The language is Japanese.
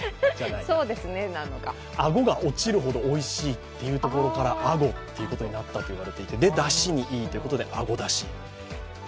顎が落ちるほど、おいしいっていうところから、アゴということになったということでだしにいいということでアゴだし。